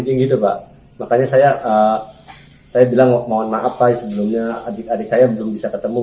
tinggi itu pak makanya saya saya bilang mohon maaf pak sebelumnya adik adik saya belum bisa ketemu